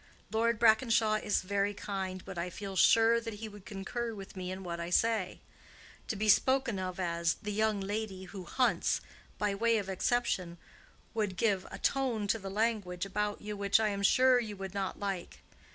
Lord Brackenshaw is very kind, but I feel sure that he would concur with me in what I say. To be spoken of as 'the young lady who hunts' by way of exception, would give a tone to the language about you which I am sure you would not like.